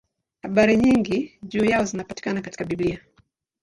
Habari nyingi juu yao zinapatikana katika Biblia.